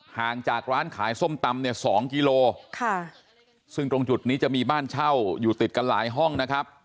ห่างจากร้านขายส้มตำเนี่ย๒กิโลซึ่งตรงจุดนี้จะมีบ้านเช่าอยู่ติดกันหลายห้องนะครับ